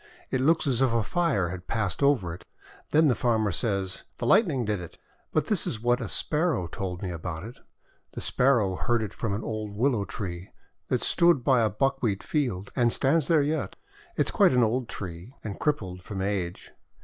It looks as if a fire had passed over it. Then the farmer says, "The Light ning did it!' But this is what a Sparrow told me about it. The Sparrow heard it from an old Willow Tree that stood by a buckwheat field, and stands there yet. It is quite an old tree, and crippled from age.